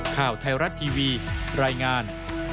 ข่าวไทยรัฐทีวีรายงาน